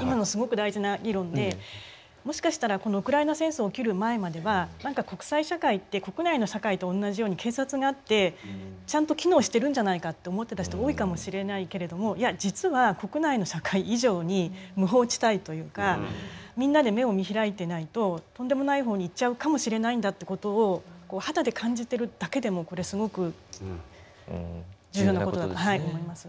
今のすごく大事な議論でもしかしたらこのウクライナ戦争起きる前までは何か国際社会って国内の社会とおんなじように警察があってちゃんと機能してるんじゃないかって思ってた人多いかもしれないけれどもみんなで目を見開いてないととんでもない方に行っちゃうかもしれないんだってことをこう肌で感じてるだけでもこれすごく重要なことだと思います。